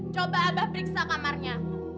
coba abah periksa kamarnya